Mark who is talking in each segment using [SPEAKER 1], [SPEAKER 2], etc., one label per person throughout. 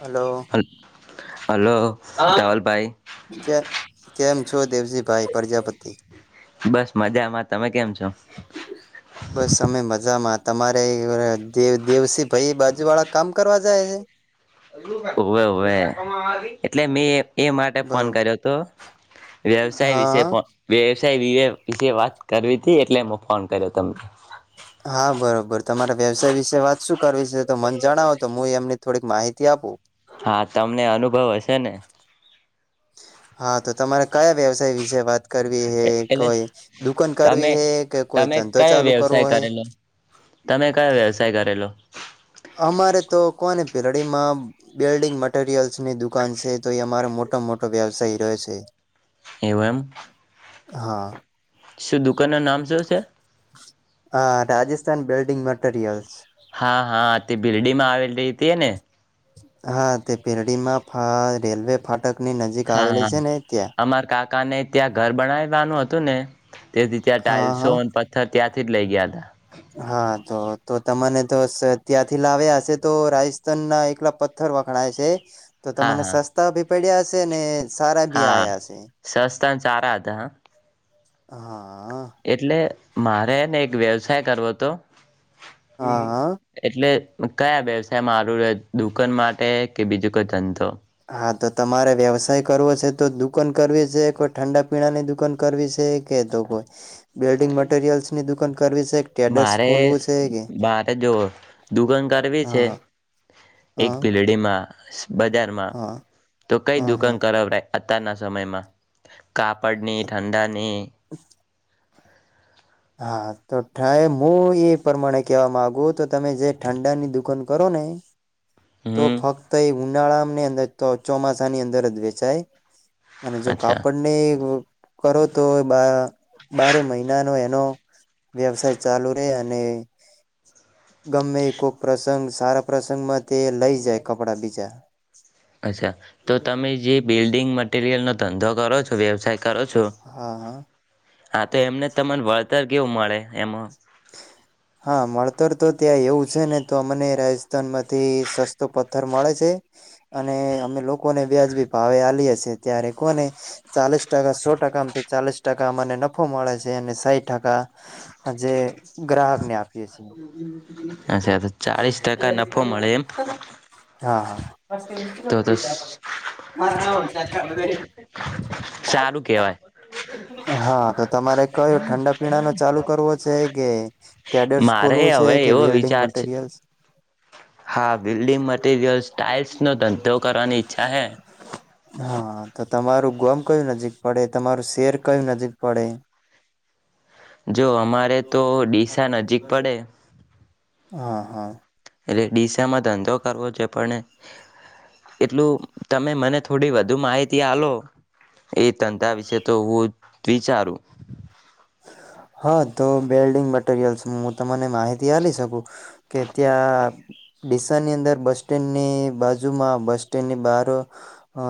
[SPEAKER 1] Hello
[SPEAKER 2] hello રાવલભાઈ
[SPEAKER 1] કે કેમ છો દેવજીભાઈ પ્રજાપતિ
[SPEAKER 2] બસ મજામાં તમે કેમ છો?
[SPEAKER 1] બસ અમે મજામાં. તમારે એવરાજ જે દેવસી ભઈ એ બાજુવાળા કામ કરવા જાય છે?
[SPEAKER 2] ઓવે ઓવે એટલે મેં એ માટે ફોન
[SPEAKER 1] બરોબર
[SPEAKER 2] કર્યો હતો વ્યવસાય વિશે
[SPEAKER 1] હા
[SPEAKER 2] ફો વ્યવસાય વીએ વિશે વાત કરવી તી એટલે મે ફોન કર્યો તમને.
[SPEAKER 1] હા બરોબર તમારે વ્યવસાય વિશે વાત શું કરવી છે. તો મને જણાવો તો હું એમની થોડીક માહિતી આપું.
[SPEAKER 2] હા તમને અનુભવ હશે ને?
[SPEAKER 1] હા તો તમારે કયા વ્યવસાય વિશે વાત કરવી હૈ
[SPEAKER 2] એટલે
[SPEAKER 1] કોઈ દુકાન
[SPEAKER 2] તમે
[SPEAKER 1] કરવી હે કે કોઈ
[SPEAKER 2] તમે
[SPEAKER 1] ધંધો
[SPEAKER 2] કયો
[SPEAKER 1] ચાલુ કરવો
[SPEAKER 2] વ્યવસાય
[SPEAKER 1] હૈ?
[SPEAKER 2] કરેલો તમે કયા વ્યવસાય કરેલો?
[SPEAKER 1] અમારે તો કોને પેલડીમાં આમ બિલ્ડિંગ મટીરયલ્ છી ની દુકાન છે તો એ અમારો મોટા મોટો વ્યવસાય રહે છે એ.
[SPEAKER 2] એવું એમ.
[SPEAKER 1] હા.
[SPEAKER 2] શું દુકાન નો નામ શું છે?
[SPEAKER 1] આહ, રાજસ્થાન બિલ્ડીંગ મેટરીયલ્સ.
[SPEAKER 2] હા હા. હા તે બીરડી માં આવેલી રહતી ને?
[SPEAKER 1] હા તે પેરડીમાં ફા રેલવે ફાટ
[SPEAKER 2] હા હા અમાર કાકાને ત્યાં ઘર બનાએ નાનું હતું ને તેથી ત્યાં
[SPEAKER 1] હા
[SPEAKER 2] ટાઇલ્સો
[SPEAKER 1] હા
[SPEAKER 2] પથ્થર ત્યાં સીટ લઈ ગયા હતા.
[SPEAKER 1] હા તો તો તમેને તો સ ત્યાંથી લાવ્યા હશે તો રાજસ્થાન ના એકલા પથ્થર વખણાય છે. તો
[SPEAKER 2] હા
[SPEAKER 1] તમને
[SPEAKER 2] હા
[SPEAKER 1] સસ્તા બી પડિયાશે ને સારા ભી
[SPEAKER 2] હા
[SPEAKER 1] આયા હશે
[SPEAKER 2] સસ્તા ન ચારા હતા હા.
[SPEAKER 1] હા.
[SPEAKER 2] એટલે મારેને એક વ્યવસાય કરવો તો
[SPEAKER 1] હા હા
[SPEAKER 2] એટલે કયા વ્યવસાય મારું દુકાન માટે કે બીજું ગથંતો.
[SPEAKER 1] હા, તો તમારે વ્યવસાય કરવો છે તો દુકાન કરવી છે કોઈ ઠંડા પીણાની દુકાન કરવી છે કે તો કોઈ બિલ્ડિંગ મટરિયલ્સની દુકાન કરવી છે ટ્રેડર્સ
[SPEAKER 2] મારે
[SPEAKER 1] ખોલવું છે કે
[SPEAKER 2] મારે જો દુગન કરવી
[SPEAKER 1] હા
[SPEAKER 2] છે,
[SPEAKER 1] હા
[SPEAKER 2] એક
[SPEAKER 1] હા
[SPEAKER 2] ભીલડીમાં બજારમાં
[SPEAKER 1] હા
[SPEAKER 2] તો કઈ
[SPEAKER 1] હમ
[SPEAKER 2] દુકાન
[SPEAKER 1] હમ
[SPEAKER 2] કરાવરા અત્યારના સમયમાં કાપડની ધંધાની.
[SPEAKER 1] હા તો થાય, હું એ પ્રમાણે કહેવા માગુ તો તમે જે ઠંડા ની દુકાન કરો ને, તો
[SPEAKER 2] હમ
[SPEAKER 1] ફક્ત એ ઉનાળાને અંદર તો ચોમાસાની અંદર જ વેચાયાય અને જો
[SPEAKER 2] અચ્છા
[SPEAKER 1] કાપડને કરો, તો બારે મહિના નો તો વ્યવસાય ચાલુ રેય અને [inaudible] ગમે એક કો પ્રસંગ સારા પ્રસંગમાં તે લઈ જાય કપડા બીજા
[SPEAKER 2] અચ્છા, તો તમે જે બિલ્ડિંગ મટીરિયલ નો ધંધો કરો છો, વ્યવસાય કરો છો
[SPEAKER 1] હા હા
[SPEAKER 2] હા તો એમને તમને વળતર કેવું મળે એમાં
[SPEAKER 1] હા [inaudible] વળતર તો ત્યાં એવું છે, ને તો મને રાજસ્થાનમાં થી સસ્તો પથ્થર મળે છે, અને અમે લોકો લોકો ને વ્યાજબી ભાવે અલીયે છીએ. ત્યારે કોને ચાલે ટકા સો ટકામ ચાલીસ ટકા મને નફો મળે છે, અને સાહીટ ટકા હ જે ગ્રાહક ને આપીએ છીએ,
[SPEAKER 2] અચ્છા તો ચાળીસ ટકા નફો મળે એમ
[SPEAKER 1] [inaudible] હા
[SPEAKER 2] તો તો
[SPEAKER 1] હા [unintelligible]
[SPEAKER 2] સારું કેહેવાય
[SPEAKER 1] હા, તો તમારે કયો ઠંડા પીણા નો ચાલુ કરવો છે, કે કેડટસ
[SPEAKER 2] મારે
[SPEAKER 1] ખોલવો છે,
[SPEAKER 2] હવે
[SPEAKER 1] કે
[SPEAKER 2] એવો
[SPEAKER 1] વેલ્ડંગ
[SPEAKER 2] વિચાર છે
[SPEAKER 1] મટીરિયલ્સ
[SPEAKER 2] હા, બિલ્ડિંગ મટિરિયલ્સ ટાઇલ્સનો ધંધો કરવાની ઈચ્છા હે
[SPEAKER 1] હા તો તમારું ગોમ કયું નજીક પડે તમારું શેર કયું નજીક પડે
[SPEAKER 2] જો અમારે તો ડીસા નજીક પડે
[SPEAKER 1] હા હા
[SPEAKER 2] એટલે ડીસામાં ધંધો કરવો છે, પણ એટલું તમે મને થોડી વધુ માહિતી આ લો એ ધંધા વિશે, તો હું વિચારું
[SPEAKER 1] હા તો બિલ્ડીંગ મટીરયલ્સ હું તમ ને માહિતી આલી શકું કે ત્યાં ડીસા ની અંદર બસ સ્ટેન્ડ ની બાજુમાં બસ સ્ટેન્ડ ની બહાર અ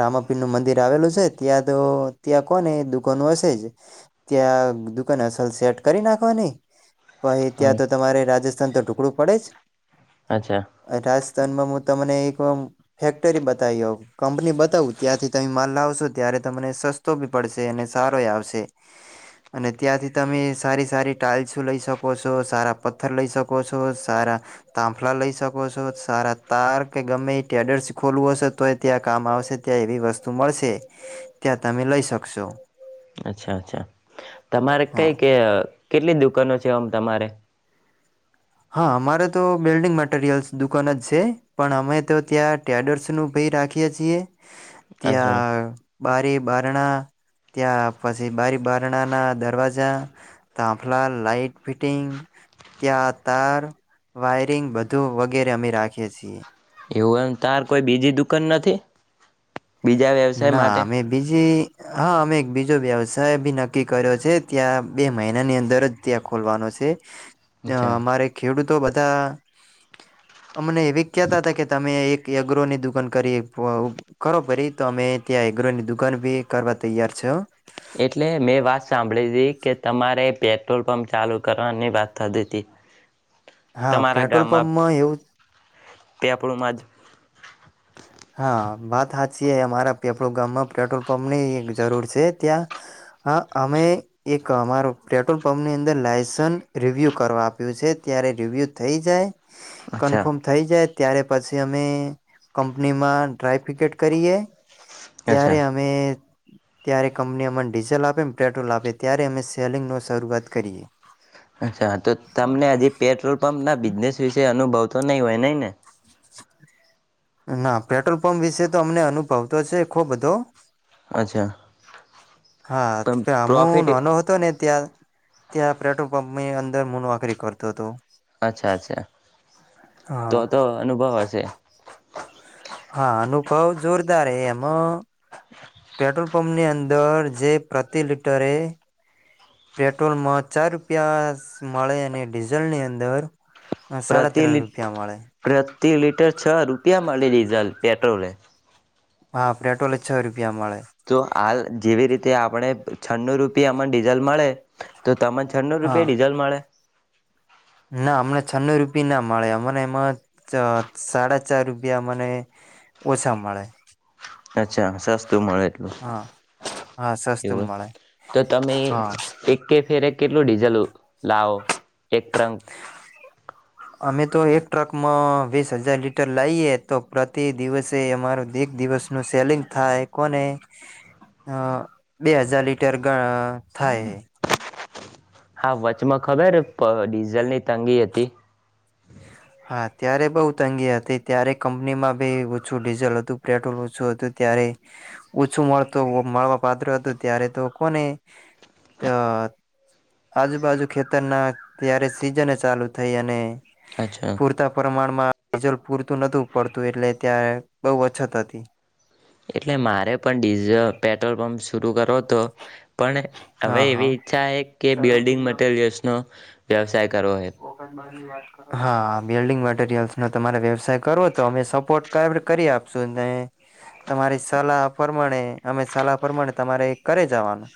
[SPEAKER 1] રામાપીર નું મંદિર આવેલું છે ત્યાં તો ત્યાં કોને દુકાનો હશે જ ત્યાં દુકાન અસલ સેટ કરી નાખવા નહી પછી ત્યાં તો તમારે રાજે ટુકડું પડે જ
[SPEAKER 2] અચ્છા
[SPEAKER 1] હું તમને એક કોમ ફેક્ટરી બતાઈઓ કંપની બદ બટાઉ ત્યાંથી તમે માલ લાવો ત્યારે તમને સસ્તો બી પડશે અને સારો આવશે અને ત્યાંથી તમે સારી સારી ટાાઈલ્સ લઈ શકો છો સારા પથ્થર લઈ શકો છો સારા તાંફલા લઈ શકો છો સારા તાર કે ગમે એ ટેડર્સ ખોલવું હશે તો ત્યાં કામ આવશે ત્યાં એવી વસ્તુ મળશે ત્યાં તમે લઈ શકશો
[SPEAKER 2] અચ્છા અચ્છા તમારે
[SPEAKER 1] હા
[SPEAKER 2] કઈ કે કેટલી દુકાનો છે આમ તમારે
[SPEAKER 1] હા અમારે તો બિલ્ડિંગ મટરિયલ્સ દુકાન જ છે પણ અમે તો ત્યાં ટેડર્સ નું બી રાખીએ છીએ
[SPEAKER 2] અચ્છા
[SPEAKER 1] ત્યા બારી બારણા ત્યાં પછી બારી બારણા ના દરવાજા તાફલા લાઈટ ફિટિંગ ત્યાં વાયરંગ બધું વગેરે અમે રાખીએ છીએ
[SPEAKER 2] એવુંમ તાર કોઈ બીજી દુકાન નથી બીજા વ્યવસાય
[SPEAKER 1] ના
[SPEAKER 2] માટે
[SPEAKER 1] અમે બીજી હા અમે એક બીજો વ્યવસાય બી નક્કી કર્યો છે ત્યાં બે મહિનાની અંદર જ ત્યાં ખોલવાનો છે
[SPEAKER 2] અચ્છા
[SPEAKER 1] અમારે ખેડૂતો બધા અમને એવી કહેતા હતા કે તમે એક એગ્રોની દુકાન કરી કરો ફરી તો અમે ત્યાં એગ્રોની દુકાન ભી કરવા તૈયાર છો
[SPEAKER 2] એટલે મેં વાત સાંભળી હતીી કે તમારે પેટ્રોલ પંપ ચાલુ કરવાની વાત થતી હતી
[SPEAKER 1] હા
[SPEAKER 2] તમારા
[SPEAKER 1] પેટ્રોલ
[SPEAKER 2] ગામમાં
[SPEAKER 1] પંપમાં એવું
[SPEAKER 2] પેપળુંમાં જ
[SPEAKER 1] હા વાત હા છો અમારા પેપળો ગામમાં પેટ્રોલ પંપની એક જરૂર છે ત્યાં અમે એક અમારો પેટ્રોલ પંપની અંદર લાસન્ રિવ્યૂ કરવા આપ્યું છે ત્યારે રિવ્યૂ થઈ જાય
[SPEAKER 2] અચ્છા
[SPEAKER 1] કન્ફર્મ થઈ જાય ત્યારે પછી અમે નેમા ડ્રાય ફ્રીકેટ કરીએ
[SPEAKER 2] અચ્છા
[SPEAKER 1] ત્યારે અમે ત્યારે કંપની અમન ડીઝલ આપે, પેટ્રોલ આપે. ત્યારે અમે સેલિંગ નો શરૂઆત કરીએ.
[SPEAKER 2] અચ્છા તો તમને હજી પેટ્રોલ પમ્પ ના બિઝનેસ વિશે અનુભવ તો નહીં હોય નઇ ને
[SPEAKER 1] ના પેટ્રોલ પંપ વિશે તો અમને અનુભવતો છે ખો બધો
[SPEAKER 2] અચ્છા
[SPEAKER 1] હા
[SPEAKER 2] પણ
[SPEAKER 1] આમુ
[SPEAKER 2] પ્રોફિટ
[SPEAKER 1] નાનો હતો ને ત્યાં ક્યા પેટ્રોલ પંપની અર ને મુ નોકરી કરતો તો
[SPEAKER 2] અચ્છા અચ્છા તો
[SPEAKER 1] હા
[SPEAKER 2] તો અનુભવ હશે.
[SPEAKER 1] હા અનુભવ જોરદાર એ એમો પેટ્રોલ પંપની અંદર જે પ્રતિ લિટરે પેટ્રોલમ ચાર રૂપિયાશ મળે અને ડીઝલ ની અંદર સાડા
[SPEAKER 2] પ્રતિ
[SPEAKER 1] ત્રણ
[SPEAKER 2] લિ
[SPEAKER 1] રૂપિયા મળે
[SPEAKER 2] પ્રતિ લિટર છ રૂપિયા મળે ડીઝ પેટ્રોલે
[SPEAKER 1] હા પેટ્રોલે છ રૂ
[SPEAKER 2] તો હાલ જેવી રીતે આપણે છન્નુ રૂપિયા મા ડીઝલ મળે. તો તમને છન્નું
[SPEAKER 1] હા
[SPEAKER 2] રૂપિયા ડીઝલ મળે?
[SPEAKER 1] ના હમણા છનન્નુ રૂ બી ના મળે અમને એમાં સાડા ચાર રૂપિયા મને ઓછા મળે.
[SPEAKER 2] અચ્છા સસ્તું મળે એટલું.
[SPEAKER 1] હા હા સસ્તું
[SPEAKER 2] એવુંય
[SPEAKER 1] મળે
[SPEAKER 2] તો તમે
[SPEAKER 1] હા
[SPEAKER 2] એક ફેરે કેટલું ડીઝલ લાવો? એક ત્રંગ
[SPEAKER 1] અમે તો એક ટ્રકમાં વીસ હજાર લીટર લાઈએ. તો પ્રતિ દિવસે અમારો એક દિવસનું સેલિંગ થાય કોને અ બે હજાર લીટર ગઅ થાય
[SPEAKER 2] હા વચમાં ખબર પ ડીઝલની તંગી હતી
[SPEAKER 1] હા ત્યારે બહુ તંગી હતી. ત્યારે કંપનીમાં બી ઓછું ડીઝલ હતું પેટ્રોલ ઓછું હતું. ત્યારે ઓછું મળતુ માવા પાત્ર હતું ત્યારે તો કોને અ આજુ બાાજુ ખેતરના ત્યારે સિઝને ચાલુ થઈ અને
[SPEAKER 2] અચ્છા
[SPEAKER 1] પૂરતા પ્રમાણમાં ડિઝલ પૂરતું નતું પડતું એટલે ત્યાં બહુ અછત હતી.
[SPEAKER 2] એટલે મારે પણ ડીઝ પેટ્રોલ પંપ શરુ કરવો તો પણ હવે
[SPEAKER 1] હા
[SPEAKER 2] એવી
[SPEAKER 1] હા
[SPEAKER 2] ઈચ્છા એ કે બિલ્ડિંગ મટરિયલ્સનો વ્યવસાય કરવો હે
[SPEAKER 1] મટરયલ્સનો તમારે વ્યવસાય કરવો તો. અમે સપોર્ટ ક કરી આપશું ને તમારી સલાહ પ્રમાણે અમે સલાહ પ્રમાણે તમારે કરે જવાનું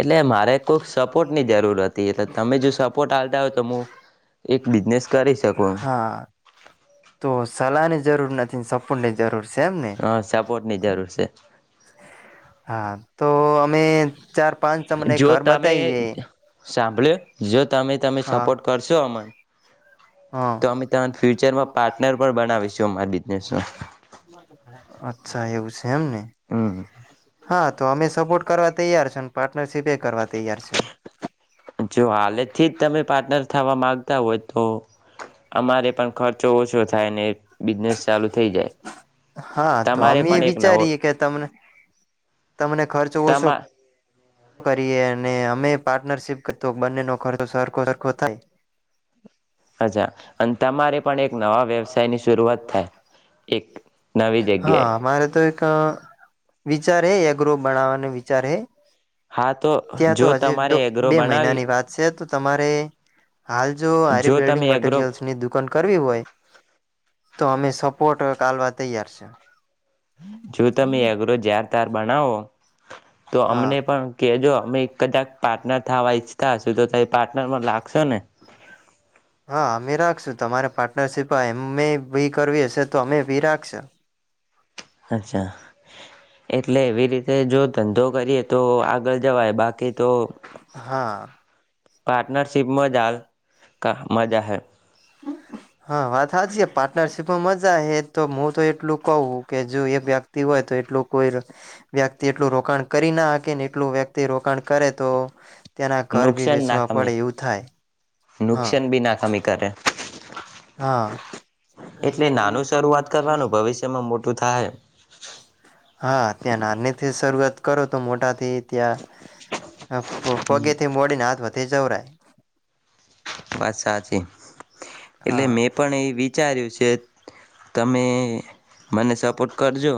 [SPEAKER 2] એટલે મારે કોઈ સપોર્ટની જરૂર હતી. એટલે તમે જો સપોર્ટ આલતા હોય તો મુ એક બિઝનેસ કરી શકું.
[SPEAKER 1] હા તો સલાની જરૂર નથી સપને જરૂર છે એમ ને
[SPEAKER 2] હા સપોર્ટ ની જરૂર છે
[SPEAKER 1] હા તો અમે ચાર પાંચ તમને ઘર બતાઈએ
[SPEAKER 2] સાંભડ જત
[SPEAKER 1] હા હા
[SPEAKER 2] તો અમે તમને ફ્યુચરમાં પાર્ટનર પણ બનાવીશું અમારા બિઝનેસનો
[SPEAKER 1] અચ્છા એવું છે એમને
[SPEAKER 2] હમ
[SPEAKER 1] હા તો અમે સપોટ કરવા તૈયાર છે ને પાર્ટનરશિપ એ કરવા તૈયાર છે
[SPEAKER 2] જો હાલે થી તમે પાર્ટનર થવા માગતા હોય તો અમારે પણ ખર્ચો ઓછો થાય ને બિઝનેસ ચાલુ થઈ જાય
[SPEAKER 1] હા તો
[SPEAKER 2] તમારે
[SPEAKER 1] અમે
[SPEAKER 2] પણ એક નવો
[SPEAKER 1] વિચારીએ કે તમને તમને ખર્ચો ઓછો
[SPEAKER 2] તમા
[SPEAKER 1] કરીએ અને અમે પાર્ટનરશિપ કર બંનેનો ખર્ચો સરખો સરખો થાય
[SPEAKER 2] અચ્છા અને તમારે પણ એક નવા વ્યવસાયની શરૂઆત થાય એક નવી
[SPEAKER 1] હા
[SPEAKER 2] જગ્યાએ
[SPEAKER 1] અમારે તો એક વિચાર હે એગ્રો બનાવાની વિચાર હ
[SPEAKER 2] હા તો જો તમારે એગ્રો
[SPEAKER 1] બે
[SPEAKER 2] બનાવી
[SPEAKER 1] મહિનાની વાત છે તો તમારે હાલ જો હારે બિલ્ડીંગ
[SPEAKER 2] તમે એગ્રો
[SPEAKER 1] મટીરિયલ્સની દુકાન કરવી હોય તો અમે સપોર્ટ કાલવા તૈયાર છે
[SPEAKER 2] જો તમે એગ્રો જાર તાર બનાવો તો
[SPEAKER 1] હા
[SPEAKER 2] અમને પણ કેજો અમે કદાક પાર્ટનર થવા ઈચ્છતા હશુ તો તએ પાર્ટનર માં લાગશો ને
[SPEAKER 1] હા અમે રાખશું તમારે પા સિપા એમે ભી કરવી હશે તો અમે ભી રાખશે
[SPEAKER 2] અચ્છા એટલે એ વી રી તે જો ધંધો કરી તો આગળ જવાય બાકી તો
[SPEAKER 1] હા
[SPEAKER 2] પાર્ટનરશિપમાંજ હાલ કા મજા હૈ
[SPEAKER 1] થા છે પાર્ટનરશીપમાં મજા હે તો હું તો એટલું કહું કે જો એક વ્યક્તિ હોય તો એટલું કોઈ વ્યક્તિ એટલું રોકાણ કરીના હકે ને એટલું વ્યક્ તે રોકાણ કરે તો તેના ઘર ભી
[SPEAKER 2] નુકસાન ના
[SPEAKER 1] વેચવા
[SPEAKER 2] ખમે
[SPEAKER 1] પડે એવું થાય હા
[SPEAKER 2] નુકસાન બી નાખામી કરે
[SPEAKER 1] હા
[SPEAKER 2] એટલે નાનું શરૂઆત કરવાનું ભવિષ્યમાં મોટું થાય
[SPEAKER 1] હા ત્યાં નાનીથી શરૂઆત કરો તો મોટાથી ત્યાં પ પગેથી મોડીને હાથ વધે જવરાય
[SPEAKER 2] વાત સાચી એટલે
[SPEAKER 1] હા
[SPEAKER 2] મેં પણ એ વિચાર્યું છે તમે મને સ્પોર્ટ કરજો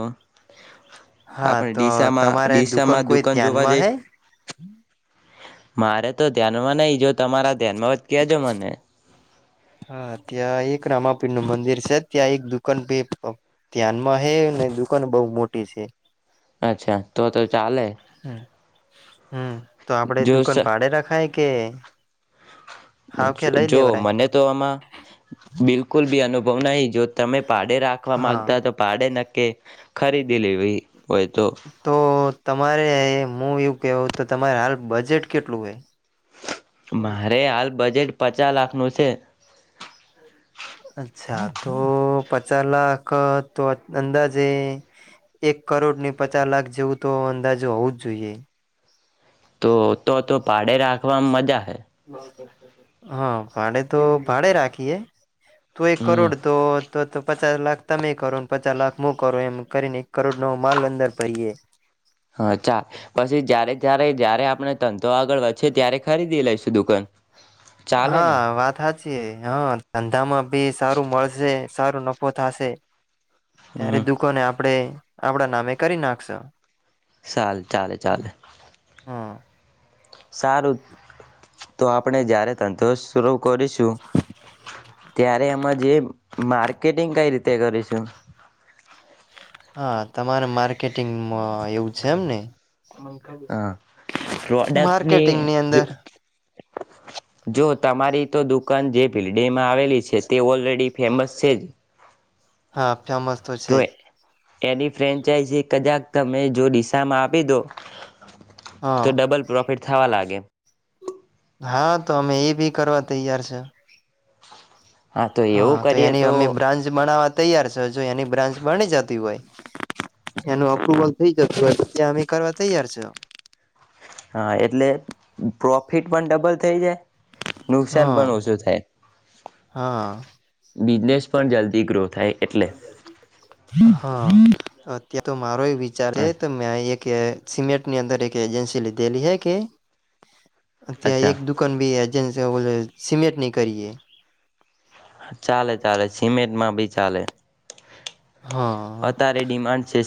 [SPEAKER 1] હા
[SPEAKER 2] આપણે
[SPEAKER 1] તો
[SPEAKER 2] ડીસામાં
[SPEAKER 1] તમારે દુકાન
[SPEAKER 2] ડીસામાં
[SPEAKER 1] કોઈ
[SPEAKER 2] જોવા
[SPEAKER 1] ધ્યાનમાં
[SPEAKER 2] જઈ
[SPEAKER 1] હૈ
[SPEAKER 2] મારે તો ધ્યાનમાં નહી જો તમારા ધ્યાનમાં કેજો મને
[SPEAKER 1] હા ત્યાં એક રામાપીર નું મંદિર છે ત્યાં એક દુકાન ભ ધ્યાનમાં હ ને દુકાન બહુ મોટી છે
[SPEAKER 2] અચ્છા તો તો ચાલે
[SPEAKER 1] હમ તો આપડે
[SPEAKER 2] જો
[SPEAKER 1] દુકાન ભાડે રખાય કે હાવખે લઈ
[SPEAKER 2] જો
[SPEAKER 1] લેવરાય
[SPEAKER 2] મને તો આમાં બિલકુલ બી અનુભવ બ નઈ જો તમે ભાડે રાખવા
[SPEAKER 1] હા
[SPEAKER 2] માંગતા હો તો ભાડે નક્કે ખરીદી લેવી હોય તો
[SPEAKER 1] તો તમારે હું એવું કેવું તો તમારે હાલ બજેટ કેટલું હોય
[SPEAKER 2] મારે હાલ બજેટ પચાસ લાખ નું છે
[SPEAKER 1] અચ્છા તો પચાસ લાખ તો અંદાજે એક કરોડ ની પચાસ લાખ જેવું તો અંદાજે હોઉ જ જોઈએ
[SPEAKER 2] તો તો તો ભાડે રાખવાવામાં મજા હૈ
[SPEAKER 1] હા ભાડે તો ભાડે રાખી કે તું એક
[SPEAKER 2] હમ
[SPEAKER 1] કરોડ તો તો તો પચાસ લાખ તમે કરોને પચાસ લાખ હું કરો એમ કરીને એક કરોડ નવ માલ અંદર ભરીએ
[SPEAKER 2] હા ચાલ પછી જય્યારે જ્યારે જય્યારે આપણે તંત ચાલે ને
[SPEAKER 1] હા વાત સાચી હા ધંધામાં બી સારું મળશે સારો નફો થાશે
[SPEAKER 2] હમ
[SPEAKER 1] ત્યારે દુકાન ને આપડે આપડા નામે કરી નાખશુ
[SPEAKER 2] ચાલ ચાલે ચાલે
[SPEAKER 1] હમ
[SPEAKER 2] સારું તો આપણે જયારે તંદુરસ્ત શરૂ કરીશું ત્યારે એમાં જે માર્કેટિંગ કઈ રીતે કરીશું
[SPEAKER 1] હા તમારે માર્કેટિંગ એવું છે એમ ને
[SPEAKER 2] હા પ્રોડક્ટ ની
[SPEAKER 1] માર્કેટિંગ
[SPEAKER 2] જો
[SPEAKER 1] અંદર
[SPEAKER 2] [unintelligible] જો તમારી તો દુકાન જે ભીલડેમાં આવેલી છે તે ઓલરેડી ફેમસ છે જ
[SPEAKER 1] હા ફેમસ
[SPEAKER 2] તો
[SPEAKER 1] છે જ
[SPEAKER 2] એની ફ્રેન્ચાઈઝ કદાક તમે જો દિશામાં આપી દો
[SPEAKER 1] હા
[SPEAKER 2] તો ડબલ પ્રોફિટ થવા લાગે
[SPEAKER 1] હા તો અમે એ બી કરવા તૈયાર છે
[SPEAKER 2] તો એવું
[SPEAKER 1] હા તો
[SPEAKER 2] કરીએ
[SPEAKER 1] એની અમે બ્રાન્ચ બનાવા તૈયાર છે જો એની બ્રાન્ચ બની જતી હોય એનું અપ્રુવલ થઈ જતું હોય ત્યાં અમે કરવા તૈયાર છ
[SPEAKER 2] હા એટલે પ્રોફિટ પણ ડબલ થઈ જાય નુકસાન
[SPEAKER 1] હા
[SPEAKER 2] પણ ઓછું થાય
[SPEAKER 1] હા
[SPEAKER 2] બિઝનેસ પણ જલ્દી કર્રો
[SPEAKER 1] હા અ ત્યાં તો મારો વિચાર તો મેં એક કે સિમેન્ટ ની અંદર એક એજન્સી લીધેલી હ કે અત્યા
[SPEAKER 2] અચ્છા
[SPEAKER 1] એક દુકાન ભી હજ બો સીમેટ ન કરીએ
[SPEAKER 2] ચાલે ચાલે સિમેટ ભી ચાલે
[SPEAKER 1] હા
[SPEAKER 2] અત્યારે ડિમાન્ડ છે